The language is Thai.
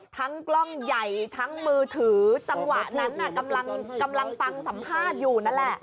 กล้องใหญ่ทั้งมือถือจังหวะนั้นน่ะกำลังฟังสัมภาษณ์อยู่นั่นแหละ